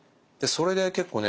それで結構ね